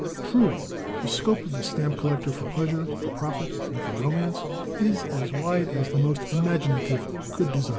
Truly the scope of the stamp collector for pleasure, for profit, and for romance is as wide as the most imaginative could desire.